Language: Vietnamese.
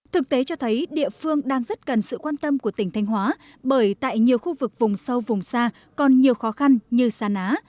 thực tế cho thấy địa phương đang rất cần sự quan tâm của tỉnh thanh hóa bởi tại nhiều khu vực vùng sâu vùng xa còn nhiều khó khăn như san á